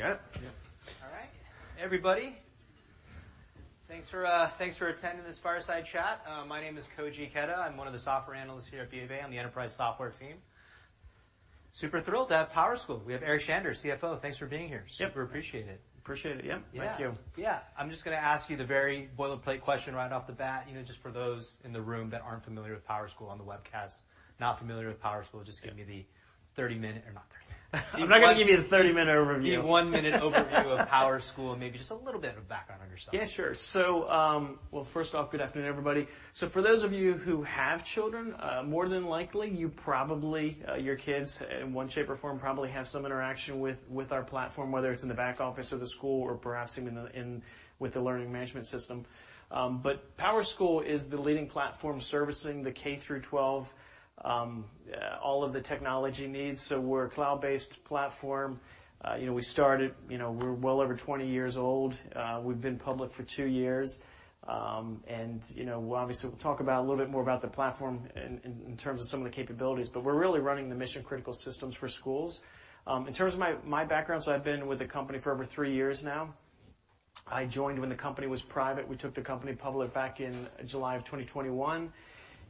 Okay. You got it? Yeah. All right, everybody, thanks for attending this fireside chat. My name is Koji Ikeda. I'm one of the software analysts here at BofA on the enterprise software team. Super thrilled to have PowerSchool. We have Eric Shander, CFO. Thanks for being here. Yeah. Super appreciate it. Appreciate it. Yeah. Yeah. Thank you. Yeah. I'm just gonna ask you the very boilerplate question right off the bat, you know, just for those in the room that aren't familiar with PowerSchool on the webcast. Not familiar with PowerSchool, just give me the 30-minute-- or not 30 minute, I'm not gonna give you the 30-minute overview. The one-minute overview of PowerSchool, and maybe just a little bit of background on yourself. Yeah, sure. Well, first off, good afternoon, everybody. For those of you who have children, more than likely, you probably, your kids, in one shape or form, probably have some interaction with our platform, whether it's in the back office of the school or perhaps even with the learning management system. PowerSchool is the leading platform servicing the K-12, all of the technology needs. We're a cloud-based platform. You know, we're well over 20 years old. We've been public for 2 years. You know, obviously, we'll talk about a little bit more about the platform in terms of some of the capabilities, we're really running the mission-critical systems for schools. In terms of my background, I've been with the company for over 3 years now. I joined when the company was private. We took the company public back in July of 2021.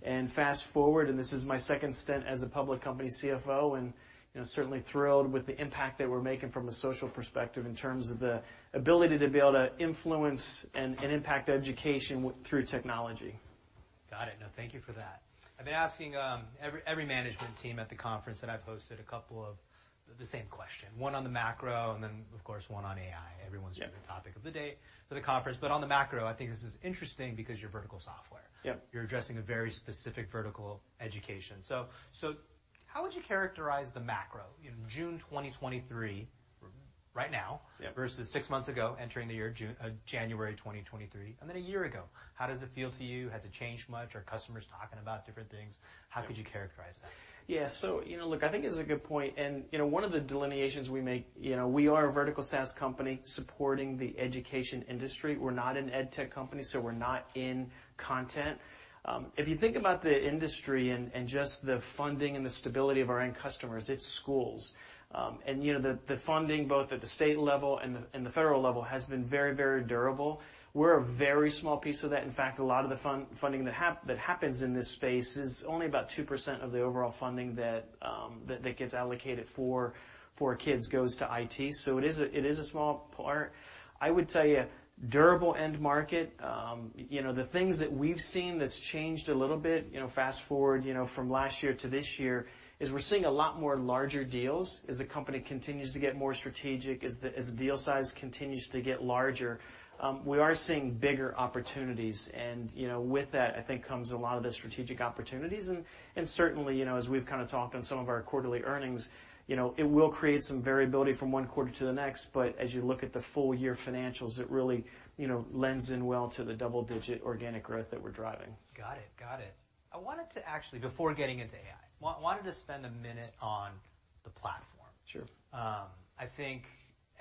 Fast-forward, and this is my second stint as a public company CFO, and, you know, certainly thrilled with the impact that we're making from a social perspective in terms of the ability to be able to influence and impact education through technology. Got it. No, thank you for that. I've been asking every management team at the conference. I've posted a couple of the same question, one on the macro, and then, of course, one on AI. Yeah. Everyone's saying the topic of the day for the conference. On the macro, I think this is interesting because you're vertical software. Yep. You're addressing a very specific vertical education. How would you characterize the macro in June 2023, right now? Yeah... versus six months ago, entering the year, June, January 2023, and then one year ago? How does it feel to you? Has it changed much? Are customers talking about different things? Yeah. How could you characterize that? Yeah. You know, look, I think it's a good point, and, you know, one of the delineations we make, you know, we are a vertical SaaS company supporting the education industry. We're not an edtech company. We're not in content. If you think about the industry and just the funding and the stability of our end customers, it's schools. You know, the funding, both at the state level and the federal level, has been very, very durable. We're a very small piece of that. In fact, a lot of the funding that happens in this space is only about 2% of the overall funding that gets allocated for kids goes to IT. It is a small part. I would tell you, durable end market. You know, the things that we've seen that's changed a little bit, you know, fast-forward, you know, from last year to this year, is we're seeing a lot more larger deals. As the company continues to get more strategic, as the deal size continues to get larger, we are seeing bigger opportunities. You know, with that, I think, comes a lot of the strategic opportunities, and certainly, you know, as we've kind of talked on some of our quarterly earnings, you know, it will create some variability from one quarter to the next, but as you look at the full-year financials, it really, you know, lends in well to the double-digit organic growth that we're driving. Got it. Got it. I wanted to actually, before getting into AI, wanted to spend a minute on the platform. Sure. I think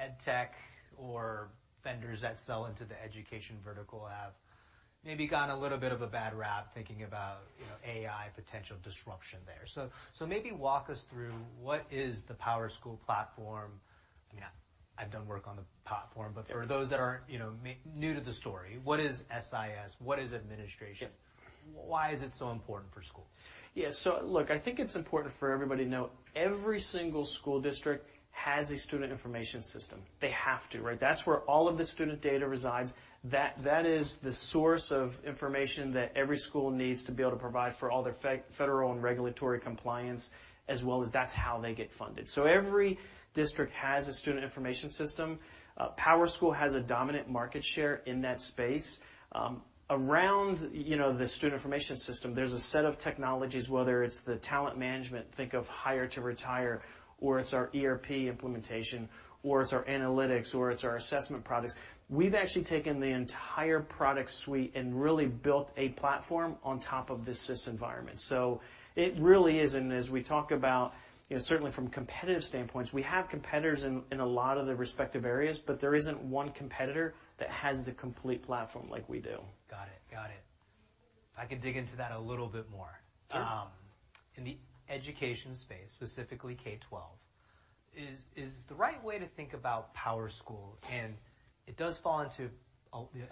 edtech or vendors that sell into the education vertical have maybe gotten a little bit of a bad rap thinking about, you know, AI potential disruption there. Maybe walk us through what is the PowerSchool platform? I mean, I've done work on the platform, but- Yeah for those that aren't, you know, new to the story, what is SIS? What is administration? Yeah. Why is it so important for schools? Look, I think it's important for everybody to know, every single school district has a student information system. They have to, right? That is the source of information that every school needs to be able to provide for all their federal and regulatory compliance, as well as that's how they get funded. Every district has a student information system. PowerSchool has a dominant market share in that space. Around, you know, the student information system, there's a set of technologies, whether it's the talent management, think of hire to retire, or it's our ERP implementation, or it's our analytics, or it's our assessment products. We've actually taken the entire product suite and really built a platform on top of this SIS environment. It really is, and as we talk about, you know, certainly from competitive standpoints, we have competitors in a lot of the respective areas, but there isn't one competitor that has the complete platform like we do. Got it. I can dig into that a little bit more. Sure. In the education space, specifically K-12, is the right way to think about PowerSchool. It does fall into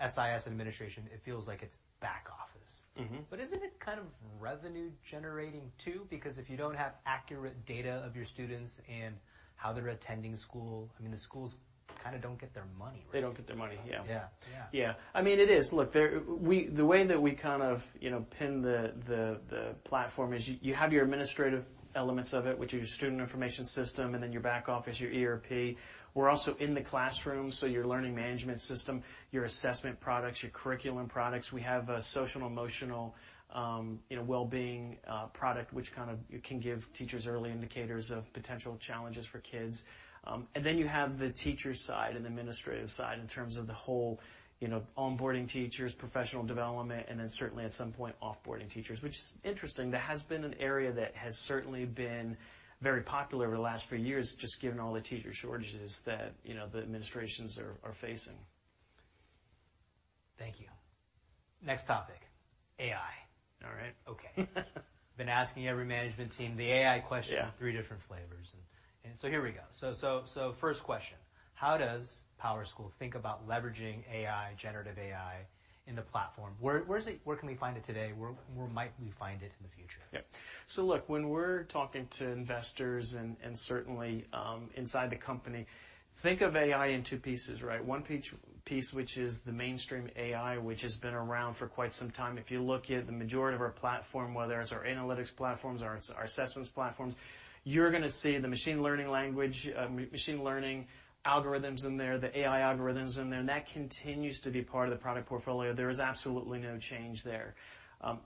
SIS administration, it feels like it's back office. Mm-hmm. Isn't it kind of revenue-generating, too? Because if you don't have accurate data of your students and how they're attending school, I mean, the schools kind of don't get their money. They don't get their money, yeah. Yeah. Yeah. Yeah. I mean, it is. Look, they're, the way that we kind of, you know, pin the, the platform is you have your administrative elements of it, which is your student information system, then your back office, your ERP. We're also in the classroom, so your learning management system, your assessment products, your curriculum products. We have a social/emotional, you know, well-being product, which kind of, it can give teachers early indicators of potential challenges for kids. Then you have the teacher side and the administrative side in terms of the whole, you know, onboarding teachers, professional development, and then certainly at some point, off-boarding teachers, which is interesting. That has been an area that has certainly been very popular over the last few years, just given all the teacher shortages that, you know, the administrations are facing. Thank you. Next topic, AI. All right. Okay. Been asking every management team the AI question... Yeah three different flavors. Here we go. First question: How does PowerSchool think about leveraging AI, generative AI, in the platform? Where can we find it today? Where might we find it in the future? Yeah. Look, when we're talking to investors and certainly, inside the company, think of AI in 2 pieces, right? One piece, which is the mainstream AI, which has been around for quite some time. If you look at the majority of our platform, whether it's our analytics platforms or it's our assessments platforms, you're gonna see the machine learning language, machine learning algorithms in there, the AI algorithms in there, and that continues to be part of the product portfolio. There is absolutely no change there.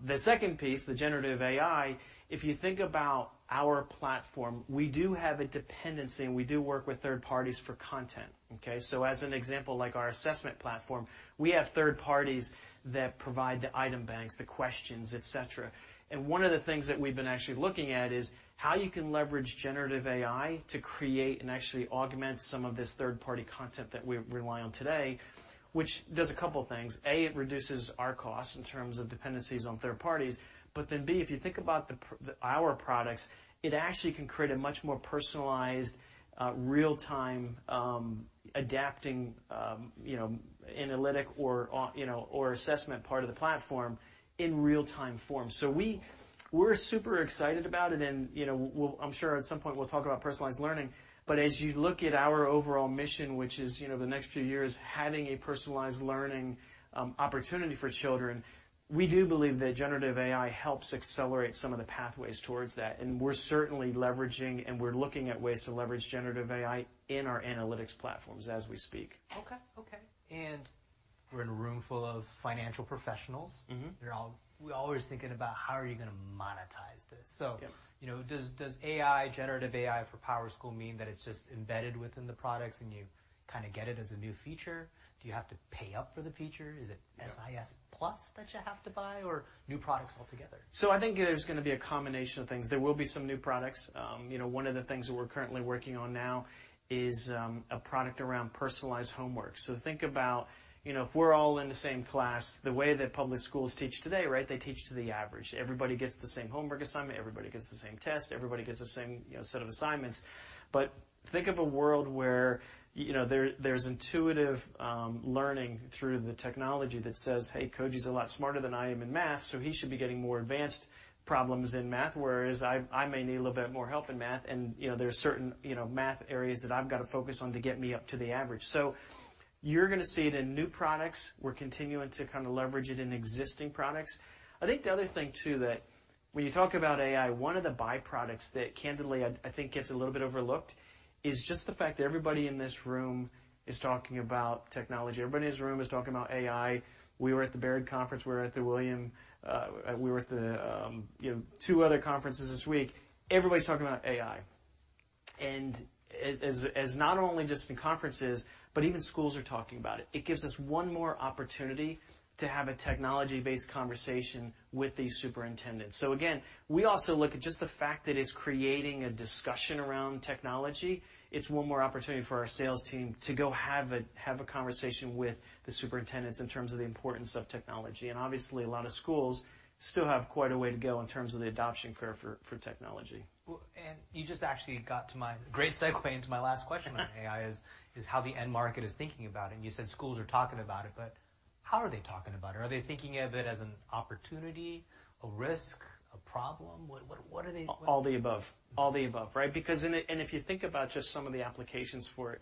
The second piece, the generative AI, if you think about our platform, we do have a dependency, and we do work with third parties for content, okay? As an example, like our assessment platform, we have third parties that provide the item banks, the questions, et cetera. One of the things that we've been actually looking at is how you can leverage generative AI to create and actually augment some of this third-party content that we rely on today, which does a couple things. A, it reduces our costs in terms of dependencies on third parties. B, if you think about our products, it actually can create a much more personalized, real-time, adapting, analytic or assessment part of the platform in real-time form. We're super excited about it, and I'm sure at some point we'll talk about personalized learning. As you look at our overall mission, which is, you know, the next few years, having a personalized learning, opportunity for children, we do believe that generative AI helps accelerate some of the pathways towards that, and we're certainly leveraging and looking at ways to leverage generative AI in our analytics platforms as we speak. Okay. Okay, we're in a room full of financial professionals. Mm-hmm. We're always thinking about, how are you gonna monetize this? Yeah. You know, does AI, generative AI, for PowerSchool mean that it's just embedded within the products, and you kinda get it as a new feature? Do you have to pay up for the feature? Yeah. Is it SIS Plus that you have to buy, or new products altogether? I think there's gonna be a combination of things. There will be some new products. You know, one of the things that we're currently working on now is a product around personalized homework. Think about, you know, if we're all in the same class, the way that public schools teach today, right, they teach to the average. Everybody gets the same homework assignment. Everybody gets the same test. Everybody gets the same, you know, set of assignments. Think of a world where, you know, there's intuitive learning through the technology that says, "Hey, Koji's a lot smarter than I am in math, so he should be getting more advanced problems in math," whereas I may need a little bit more help in math, and, you know, there are certain, you know, math areas that I've got to focus on to get me up to the average. You're gonna see it in new products. We're continuing to kinda leverage it in existing products. I think the other thing, too, that when you talk about AI, one of the byproducts that, candidly, I think gets a little bit overlooked is just the fact that everybody in this room is talking about technology. Everybody in this room is talking about AI. We were at the Baird conference. We were at the William Blair. We were at the, you know, two other conferences this week. Everybody's talking about AI, and it is, it's not only just in conferences, but even schools are talking about it. It gives us one more opportunity to have a technology-based conversation with these superintendents. Again, we also look at just the fact that it's creating a discussion around technology. It's one more opportunity for our sales team to go have a conversation with the superintendents in terms of the importance of technology. Obviously, a lot of schools still have quite a way to go in terms of the adoption curve for technology. Well, you just actually got to my great segue into my last question on AI is how the end market is thinking about it. You said schools are talking about it. How are they talking about it? Are they thinking of it as an opportunity, a risk, a problem? What are they? All the above. All the above, right? If you think about just some of the applications for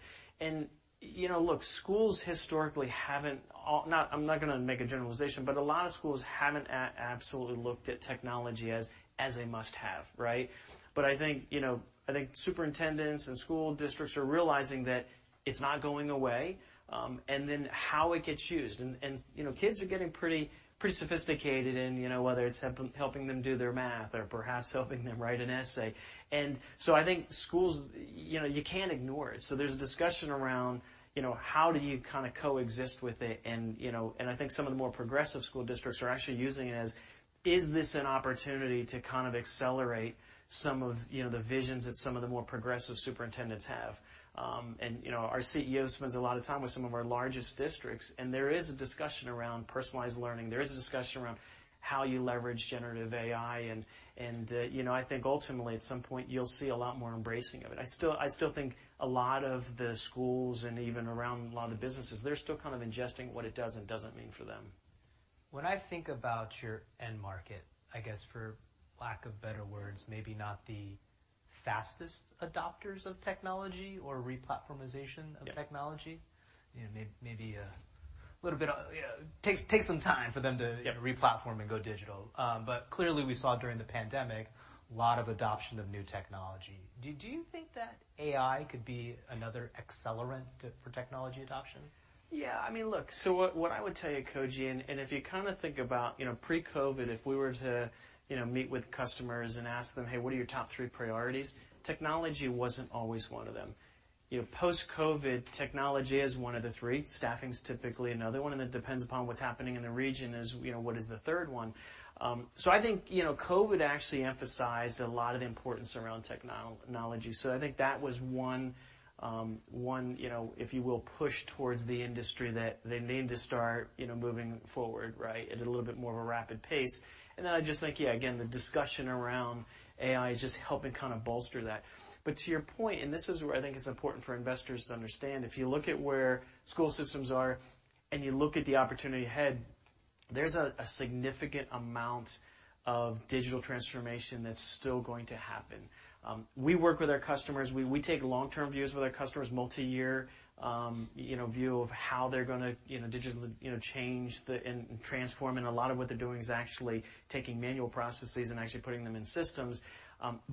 it, you know, look, schools historically haven't, I'm not gonna make a generalization, but a lot of schools haven't absolutely looked at technology as a must-have, right? I think, you know, I think superintendents and school districts are realizing that it's not going away, how it gets used. You know, kids are getting pretty sophisticated in, you know, whether it's helping them do their math or perhaps helping them write an essay. I think schools, you know, you can't ignore it. There's a discussion around, you know, how do you kind of coexist with it and, you know... I think some of the more progressive school districts are actually using it as: Is this an opportunity to kind of accelerate some of, you know, the visions that some of the more progressive superintendents have? You know, our CEO spends a lot of time with some of our largest districts, and there is a discussion around personalized learning. There is a discussion around how you leverage generative AI, and, you know, I think ultimately at some point you'll see a lot more embracing of it. I still think a lot of the schools and even around a lot of the businesses, they're still kind of ingesting what it does and doesn't mean for them. When I think about your end market, I guess, for lack of better words, maybe not the fastest adopters of technology or replatformization... Yeah of technology. You know, maybe, a little bit, you know, takes some time for them. Yeah... replatform and go digital. Clearly, we saw during the pandemic a lot of adoption of new technology. Do you think that AI could be another accelerant for technology adoption? Yeah. I mean, look, what I would tell you, Koji, and if you kinda think about, you know, pre-COVID, if we were to, you know, meet with customers and ask them, "Hey, what are your top three priorities?" technology wasn't always one of them. You know, post-COVID, technology is one of the three. Staffing's typically another one, and it depends upon what's happening in the region as, you know, what is the third one. I think, you know, COVID actually emphasized a lot of the importance around technology, so I think that was one, you know, if you will, push towards the industry that they need to start, you know, moving forward, right, at a little bit more of a rapid pace. I just think, yeah, again, the discussion around AI is just helping kind of bolster that. To your point, this is where I think it's important for investors to understand, if you look at where school systems are and you look at the opportunity ahead, there's a significant amount of digital transformation that's still going to happen. We work with our customers. We take long-term views with our customers, multi-year, you know, view of how they're going to, digitally, you know, change and transform. A lot of what they're doing is actually taking manual processes and actually putting them in systems.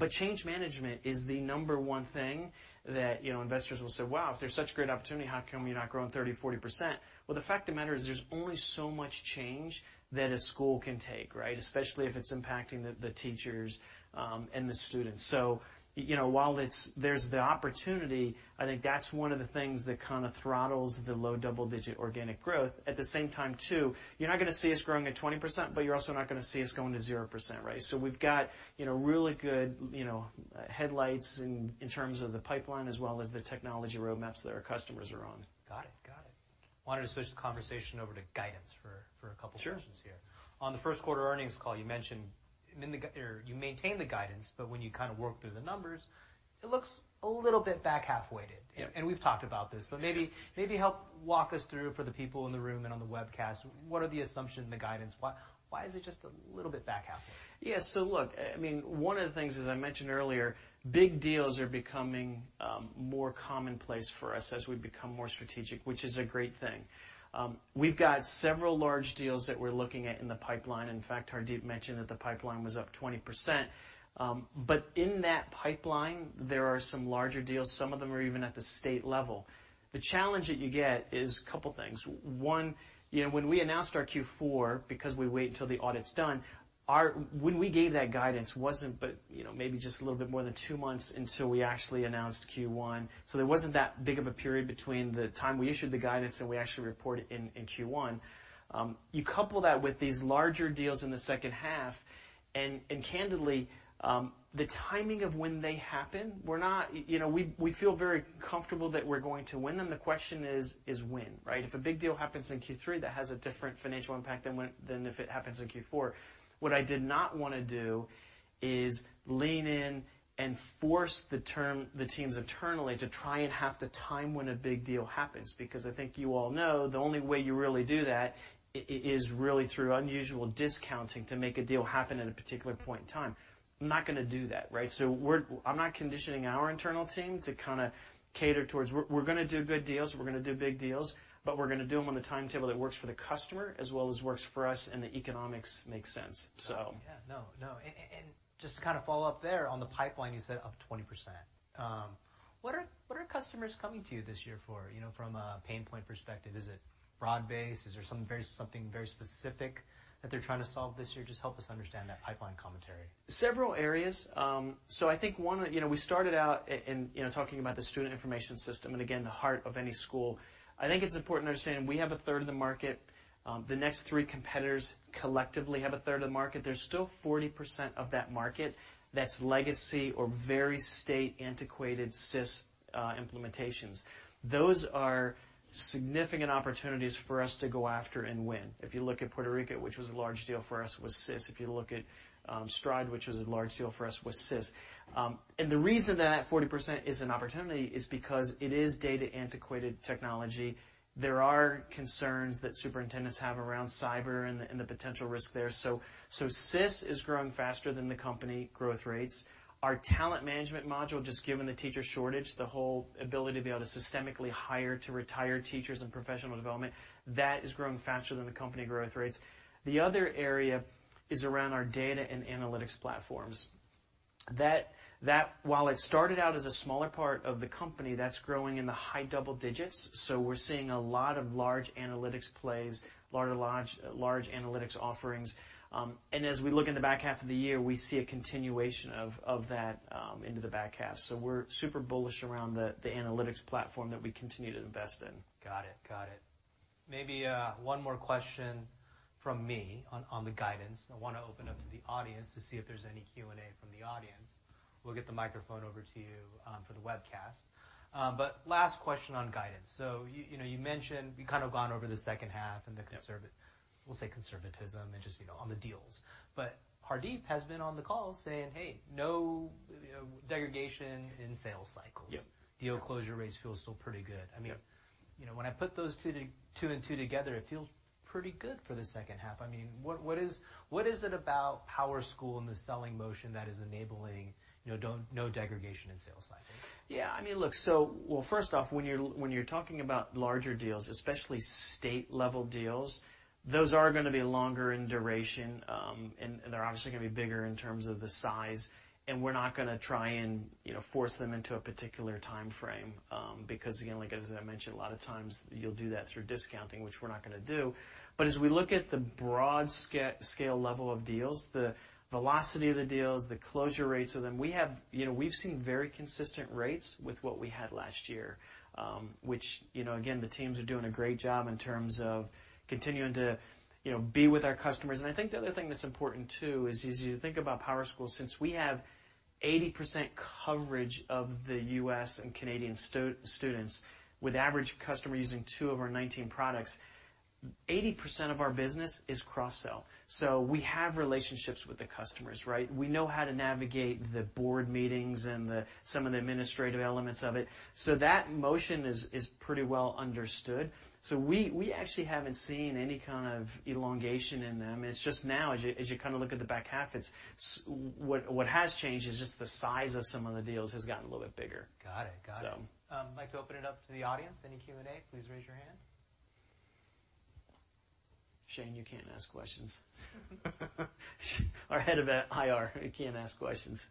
Change management is the number 1 thing that, you know, investors will say, "Wow, if there's such great opportunity, how come you're not growing 30%, 40%?" The fact of the matter is, there's only so much change that a school can take, right? Especially if it's impacting the teachers, and the students. You know, while there's the opportunity, I think that's one of the things that kinda throttles the low double-digit organic growth. At the same time, too, you're not gonna see us growing at 20%, but you're also not gonna see us going to 0%, right? We've got, you know, really good, you know, headlights in terms of the pipeline, as well as the technology roadmaps that our customers are on. Got it. I wanted to switch the conversation over to guidance for a couple reasons here. Sure. On the first quarter earnings call, you mentioned or you maintained the guidance, but when you kind of work through the numbers, it looks a little bit back half-weighted. Yeah. We've talked about this, but maybe help walk us through for the people in the room and on the webcast, what are the assumptions in the guidance? Why is it just a little bit back half-weighted? Yeah. Look, I mean, one of the things, as I mentioned earlier, big deals are becoming more commonplace for us as we become more strategic, which is a great thing. We've got several large deals that we're looking at in the pipeline. In fact, Hardeep mentioned that the pipeline was up 20%. In that pipeline, there are some larger deals. Some of them are even at the state level. The challenge that you get is a couple things. One, you know, when we announced our Q4, because we wait until the audit's done, when we gave that guidance, wasn't but, you know, maybe just a little bit more than 2 months until we actually announced Q1. There wasn't that big of a period between the time we issued the guidance and we actually reported in Q1. You couple that with these larger deals in the second half, and candidly, the timing of when they happen. You know, we feel very comfortable that we're going to win them. The question is when, right? If a big deal happens in Q3, that has a different financial impact than if it happens in Q4. What I did not wanna do is lean in and force the teams internally to try and have to time when a big deal happens, because I think you all know, the only way you really do that is really through unusual discounting to make a deal happen at a particular point in time. I'm not gonna do that, right? I'm not conditioning our internal team to kinda cater towards... We're gonna do good deals, we're gonna do big deals, but we're gonna do them on the timetable that works for the customer as well as works for us, and the economics make sense. Yeah. No, no. Just to kind of follow up there, on the pipeline, you said up 20%. What are customers coming to you this year for, you know, from a pain point perspective? Is it broad-based? Is there something very specific that they're trying to solve this year? Just help us understand that pipeline commentary. Several areas. You know, we started out in, you know, talking about the student information system and again, the heart of any school. I think it's important to understand, we have a third of the market. The next 3 competitors collectively have a third of the market. There's still 40% of that market that's legacy or very state-antiquated SIS implementations. Those are significant opportunities for us to go after and win. If you look at Puerto Rico, which was a large deal for us, was SIS. If you look at Stride, which was a large deal for us, was SIS. The reason that 40% is an opportunity is because it is data-antiquated technology. There are concerns that superintendents have around cyber and the potential risk there. SIS is growing faster than the company growth rates. Our talent management module, just given the teacher shortage, the whole ability to be able to systemically hire to retire teachers and professional development, that is growing faster than the company growth rates. The other area is around our data and analytics platforms. While it started out as a smaller part of the company, that's growing in the high double digits, so we're seeing a lot of large analytics plays, lot of large analytics offerings. And as we look in the back half of the year, we see a continuation of that into the back half. We're super bullish around the analytics platform that we continue to invest in. Got it. Got it. Maybe, one more question from me on the guidance. I wanna open up to the audience to see if there's any Q&A from the audience. We'll get the microphone over to you, for the webcast. Last question on guidance. You, you know, you mentioned, we've kind of gone over the second half- Yeah... and the we'll say conservatism, and just, you know, on the deals. Hardeep has been on the call saying, "Hey, no, you know, degradation in sales cycles. Yeah. Deal closure rates feel still pretty good. Yeah. I mean, you know, when I put those two and two together, it feels pretty good for the second half. I mean, what is it about PowerSchool and the selling motion that is enabling, you know, no degradation in sales cycles? Yeah, I mean, look, so, well, first off, when you're, when you're talking about larger deals, especially state-level deals, those are gonna be longer in duration, and they're obviously gonna be bigger in terms of the size, and we're not gonna try and, you know, force them into a particular timeframe, because, again, like, as I mentioned, a lot of times you'll do that through discounting, which we're not gonna do. As we look at the broad scale level of deals, the velocity of the deals, the closure rates of them, we have. You know, we've seen very consistent rates with what we had last year, which, you know, again, the teams are doing a great job in terms of continuing to, you know, be with our customers. I think the other thing that's important, too, is as you think about PowerSchool, since we have 80% coverage of the U.S. and Canadian students, with average customer using 2 of our 19 products. 80% of our business is cross-sell. We have relationships with the customers, right? We know how to navigate the board meetings and the, some of the administrative elements of it. That motion is pretty well understood. We actually haven't seen any kind of elongation in them. It's just now, as you, as you kinda look at the back half, what has changed is just the size of some of the deals has gotten a little bit bigger. Got it. Got it. So. I'd like to open it up to the audience. Any Q&A, please raise your hand. Shane, you can't ask questions. Our head of HR, he can't ask questions.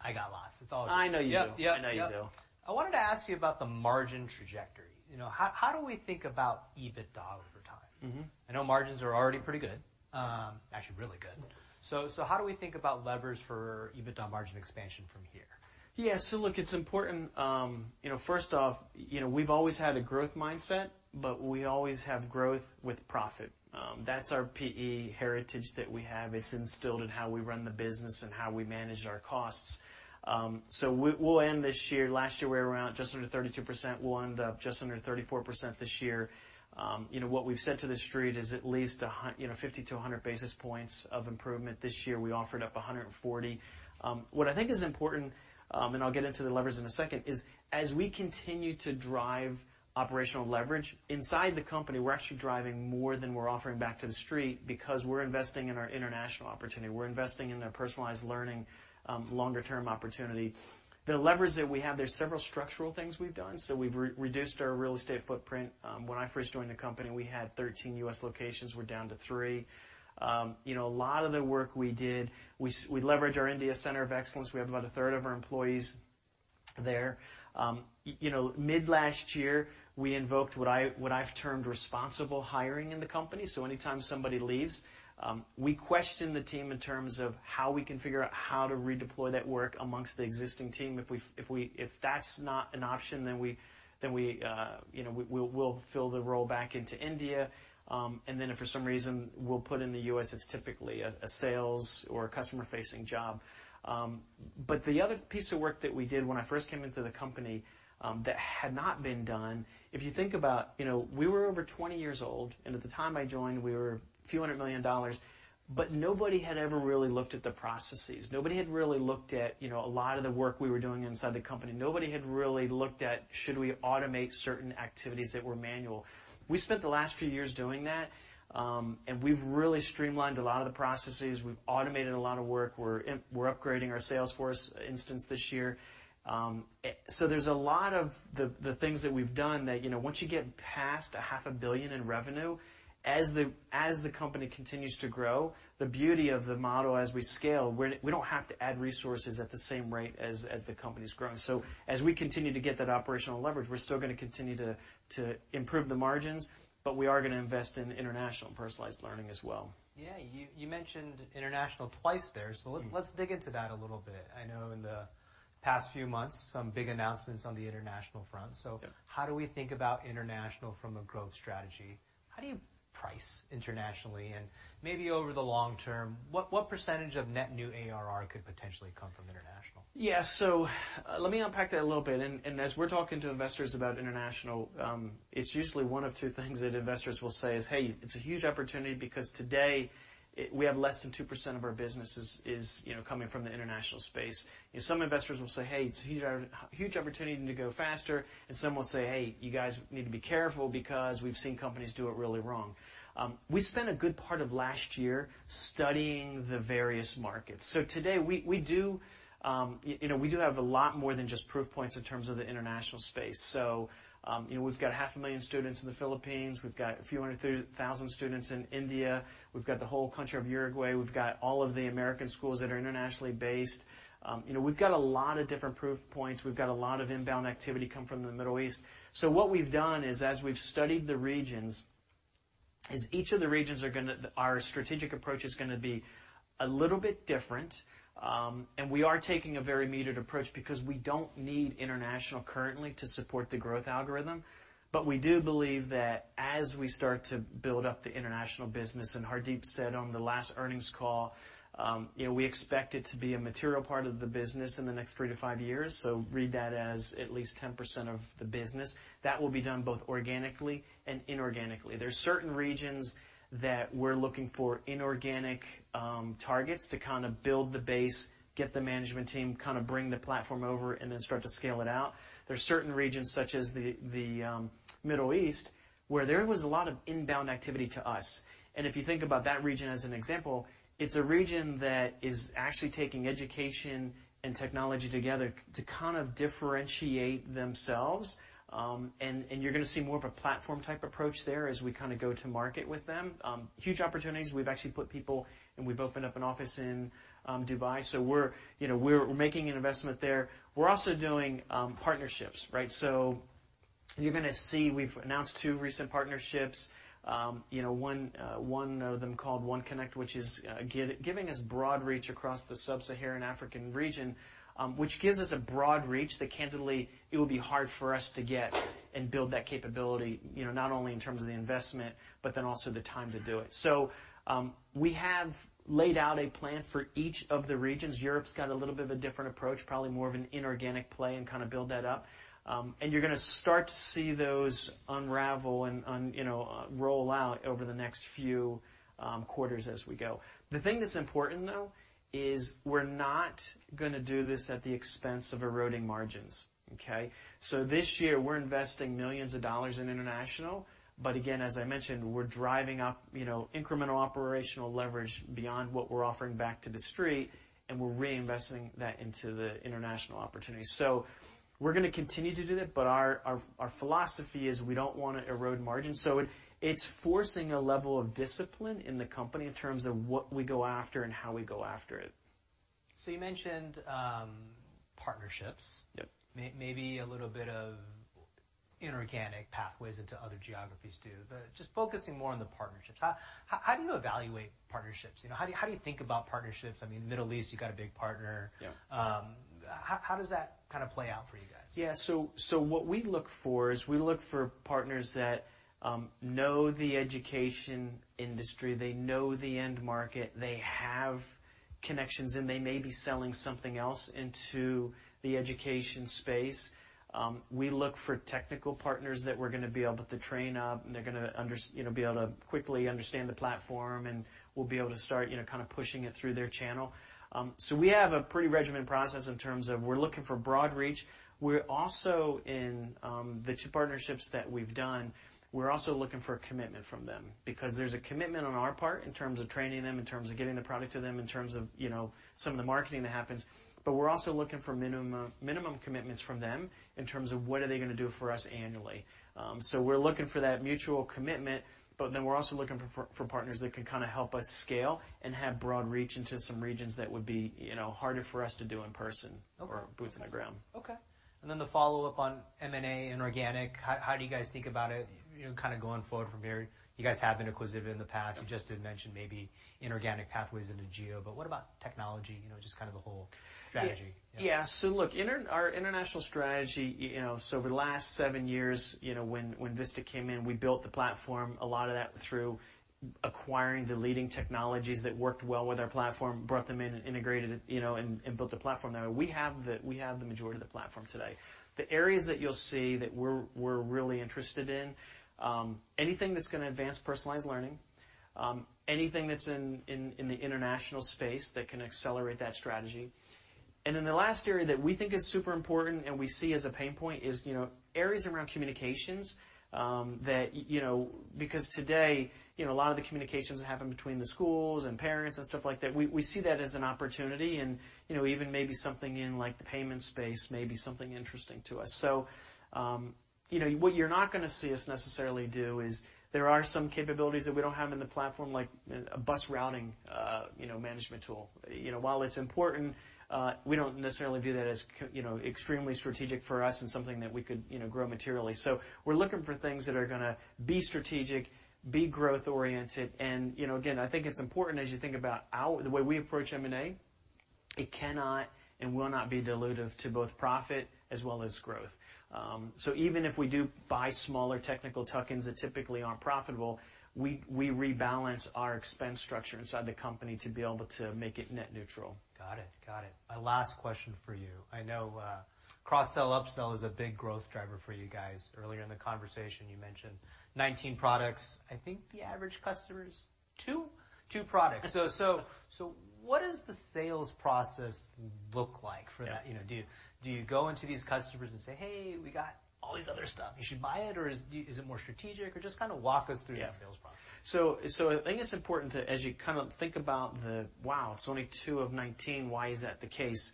I got lots. It's all good. I know you do. Yep, yep. I know you do. I wanted to ask you about the margin trajectory. You know, how do we think about EBITDA over time? Mm-hmm. I know margins are already pretty good, actually, really good. How do we think about levers for EBITDA margin expansion from here? Look, it's important, you know, first off, you know, we've always had a growth mindset, we always have growth with profit. That's our PE heritage that we have. It's instilled in how we run the business and how we manage our costs. We'll end this year last year, we were around just under 32%. We'll end up just under 34% this year. You know, what we've said to the street is at least you know, 50 to 100 basis points of improvement. This year, we offered up 140. What I think is important, I'll get into the levers in a second, is as we continue to drive operational leverage inside the company, we're actually driving more than we're offering back to the street because we're investing in our international opportunity. We're investing in the personalized learning, longer-term opportunity. The levers that we have, there's several structural things we've done. We've reduced our real estate footprint. When I first joined the company, we had 13 U.S. locations. We're down to three. You know, a lot of the work we did, we leveraged our India Center of Excellence. We have about a third of our employees there. You know, mid-last year, we invoked what I've termed responsible hiring in the company. Anytime somebody leaves, we question the team in terms of how we can figure out how to redeploy that work amongst the existing team. If that's not an option, then we, you know, we'll fill the role back into India. If for some reason we'll put in the U.S., it's typically a sales or a customer-facing job. The other piece of work that we did when I first came into the company that had not been done... If you think about, you know, we were over 20 years old, and at the time I joined, we were a few hundred million dollars. Nobody had ever really looked at the processes. Nobody had really looked at a lot of the work we were doing inside the company. Nobody had really looked at, should we automate certain activities that were manual? We spent the last few years doing that. We've really streamlined a lot of the processes. We've automated a lot of work. We're upgrading our Salesforce instance this year. There's a lot of the things that we've done that, you know, once you get past a half a billion in revenue, as the, as the company continues to grow, the beauty of the model as we scale, we don't have to add resources at the same rate as the company's growing. As we continue to get that operational leverage, we're still gonna continue to improve the margins, but we are gonna invest in international and personalized learning as well. Yeah. You mentioned international twice there. Let's dig into that a little bit. I know in the past few months, some big announcements on the international front. Yep. How do we think about international from a growth strategy? How do you price internationally? Maybe over the long term, what % of net new ARR could potentially come from international? Yeah, let me unpack that a little bit. As we're talking to investors about international, it's usually one of two things that investors will say is, "Hey, it's a huge opportunity," because today, we have less than 2% of our business is, you know, coming from the international space. Some investors will say, "Hey, it's a huge opportunity to go faster," and some will say, "Hey, you guys need to be careful because we've seen companies do it really wrong." We spent a good part of last year studying the various markets. Today, we do, you know, we do have a lot more than just proof points in terms of the international space. You know, we've got half a million students in the Philippines. We've got a few hundred thousand students in India. We've got the whole country of Uruguay. We've got all of the American schools that are internationally based. you know, we've got a lot of different proof points. We've got a lot of inbound activity coming from the Middle East. What we've done is, as we've studied the regions, our strategic approach is going to be a little bit different, and we are taking a very measured approach because we don't need international currently to support the growth algorithm. We do believe that as we start to build up the international business, and Hardeep said on the last earnings call, you know, we expect it to be a material part of the business in the next 3-5 years, so read that as at least 10% of the business. That will be done both organically and inorganically. There are certain regions that we're looking for inorganic targets to kind of build the base, get the management team, kind of bring the platform over, and then start to scale it out. There are certain regions, such as the Middle East, where there was a lot of inbound activity to us, and if you think about that region as an example, it's a region that is actually taking education and technology together to kind of differentiate themselves. You're gonna see more of a platform-type approach there as we kind of go to market with them. Huge opportunities. We've actually put people, and we've opened up an office in Dubai, so we're, you know, we're making an investment there. We're also doing partnerships, right? You're gonna see we've announced two recent partnerships. you know, one of them called OneConnect, which is giving us broad reach across the Sub-Saharan African region, which gives us a broad reach that, candidly, it would be hard for us to get and build that capability, you know, not only in terms of the investment, but then also the time to do it. We have laid out a plan for each of the regions. Europe's got a little bit of a different approach, probably more of an inorganic play, and kinda build that up. You're gonna start to see those unravel and, you know, roll out over the next few quarters as we go. The thing that's important, though, is we're not gonna do this at the expense of eroding margins, okay? This year, we're investing millions of dollars in international. Again, as I mentioned, we're driving up, you know, incremental operational leverage beyond what we're offering back to the street. We're reinvesting that into the international opportunities. We're gonna continue to do that. Our philosophy is we don't wanna erode margins. It's forcing a level of discipline in the company in terms of what we go after and how we go after it. You mentioned partnerships. Yep. Maybe a little bit of inorganic pathways into other geographies, too. Just focusing more on the partnerships, how do you evaluate partnerships? You know, how do you think about partnerships? I mean, Middle East, you've got a big partner. Yeah. How does that kinda play out for you guys? What we look for is we look for partners that know the education industry. They know the end market. They have connections. They may be selling something else into the education space. We look for technical partners that we're gonna be able to train up. They're gonna you know, be able to quickly understand the platform. We'll be able to start, you know, kinda pushing it through their channel. We have a pretty regimented process in terms of we're looking for broad reach. We're also in, the two partnerships that we've done, we're also looking for a commitment from them because there's a commitment on our part in terms of training them, in terms of getting the product to them, in terms of, you know, some of the marketing that happens, but we're also looking for minimum commitments from them in terms of what are they gonna do for us annually. We're looking for that mutual commitment, but then we're also looking for partners that can kinda help us scale and have broad reach into some regions that would be, you know, harder for us to do in person- Okay. boots on the ground. Okay. Then the follow-up on M&A, inorganic, how do you guys think about it, you know, kinda going forward from here? You guys have been acquisitive in the past. Yeah. You just did mention maybe inorganic pathways into geo, but what about technology? You know, just kind of the whole strategy. Yeah. Yeah, look, our international strategy, you know, over the last seven years, you know, when Vista came in, we built the platform, a lot of that through acquiring the leading technologies that worked well with our platform, brought them in and integrated it, you know, and built the platform. We have the majority of the platform today. The areas that you'll see that we're really interested in: anything that's gonna advance personalized learning, anything that's in the international space that can accelerate that strategy, the last area that we think is super important, and we see as a pain point, is areas around communications, that, you know... Today, you know, a lot of the communications that happen between the schools and parents and stuff like that, we see that as an opportunity and, you know, even maybe something in, like, the payment space may be something interesting to us. What you're not gonna see us necessarily do is, there are some capabilities that we don't have in the platform, like a bus routing, you know, management tool. You know, while it's important, we don't necessarily view that as you know, extremely strategic for us and something that we could, you know, grow materially. We're looking for things that are gonna be strategic, be growth-oriented, and, you know, again, I think it's important as you think about how the way we approach M&A, it cannot and will not be dilutive to both profit as well as growth. Even if we do buy smaller technical tuck-ins that typically aren't profitable, we rebalance our expense structure inside the company to be able to make it net neutral. Got it. Got it. My last question for you. I know, cross-sell, up-sell is a big growth driver for you guys. Earlier in the conversation, you mentioned 19 products. I think the average customer is 2? 2 products. What does the sales process look like for that? Yeah. You know, do you go into these customers and say, "Hey, we got all this other stuff. You should buy it," or is it more strategic? Just kinda walk us through the sales process. Yeah. So I think it's important to, as you kind of think about the, "Wow, it's only 2 of 19. Why is that the case?"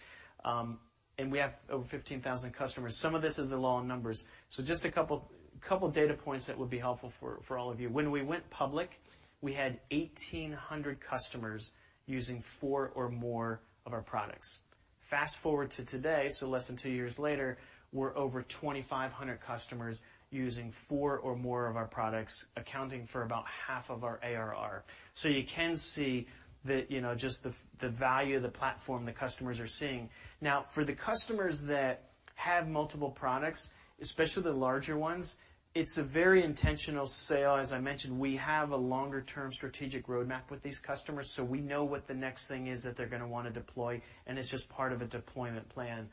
We have over 15,000 customers. Some of this is the law of numbers. Just a couple data points that would be helpful for all of you. When we went public, we had 1,800 customers using 4 or more of our products. Fast-forward to today, less than 2 years later, we're over 2,500 customers using 4 or more of our products, accounting for about half of our ARR. You can see the, you know, just the value of the platform the customers are seeing. Now, for the customers that have multiple products, especially the larger ones, it's a very intentional sale. As I mentioned, we have a longer-term strategic roadmap with these customers, so we know what the next thing is that they're gonna wanna deploy, and it's just part of a deployment plan.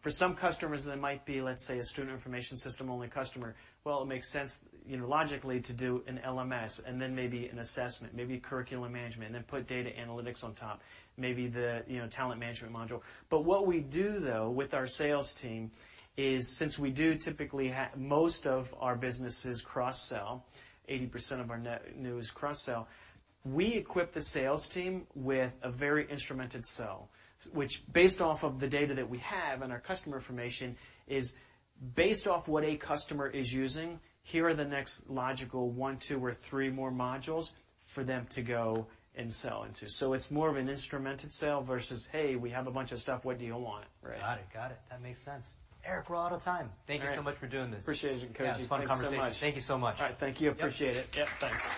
For some customers, they might be, let's say, a student information system-only customer. Well, it makes sense, you know, logically, to do an LMS and then maybe an assessment, maybe curriculum management, and then put data analytics on top, maybe the, you know, talent management module. What we do, though, with our sales team is, since we do typically most of our business is cross-sell, 80% of our net new is cross-sell, we equip the sales team with a very instrumented sell, which, based off of the data that we have and our customer information, is based off what a customer is using, here are the next logical one, two, or three more modules for them to go and sell into. It's more of an instrumented sell, versus, "Hey, we have a bunch of stuff. What do you want?" Right. Got it. That makes sense. Eric, we're out of time. All right. Thank you so much for doing this. Appreciation, Koji. Yeah, it was a fun conversation. Thank you so much. Thank you so much. All right. Thank you. Yep. Appreciate it. Yep, thanks.